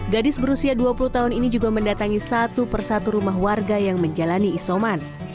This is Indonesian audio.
gadis berusia dua puluh tahun ini juga mendatangi satu persatu rumah warga yang menjalani isoman